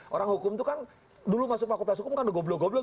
orang hukum tuh kan dulu masuk akutasi hukum kan goblok goblok